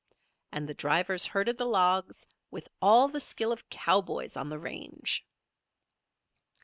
And the drivers herded the logs with all the skill of cowboys on the range.